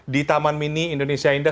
di taman mini indonesia indah